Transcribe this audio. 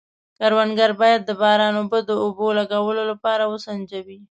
کروندګر باید د باران اوبه د اوبو لګولو لپاره وسنجوي.